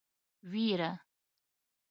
وېره.